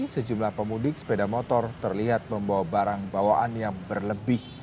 sejumlah pemudik sepeda motor terlihat membawa barang bawaan yang berlebih